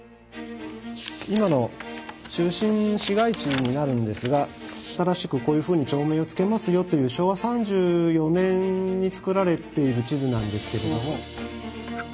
今の中心市街地になるんですが新しくこういうふうに町名を付けますよという昭和３４年に作られている地図なんですけれども。